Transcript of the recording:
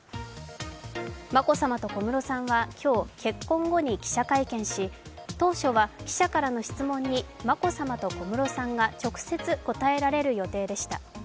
眞子さまと小室さんは今日、結婚後に記者会見し当初は記者からの質問に眞子さまと小室さんが直接答えられる予定でした。